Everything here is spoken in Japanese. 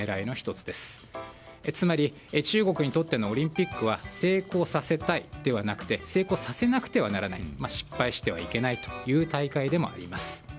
つまり、中国にとってのオリンピックは成功させたいではなくて成功させなくてはならない失敗してはいけないという大会でもあります。